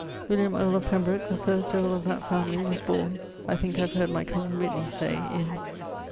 William[FB], earle of Pembroke, the first earle of that family, was borne (I thinke I have heard my cosen Whitney say) in